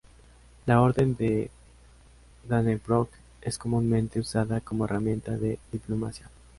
La Orden de Dannebrog es comúnmente usada como herramienta de diplomacia.